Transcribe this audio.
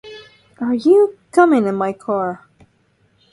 Are you coming in my car?